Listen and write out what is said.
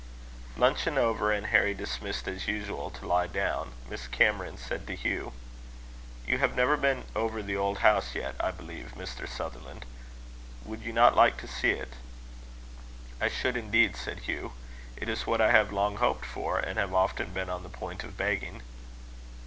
Luncheon over, and Harry dismissed as usual to lie down, Miss Cameron said to Hugh: "You have never been over the old house yet, I believe, Mr. Sutherland. Would you not like to see it?" "I should indeed," said Hugh. "It is what I have long hoped for, and have often been on the point of begging."